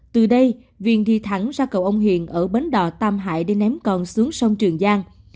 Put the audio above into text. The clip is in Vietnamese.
từ đây viên đi thẳng ra cầu ông hiền ở bến đò tam hải để ném con xuống sông trường giang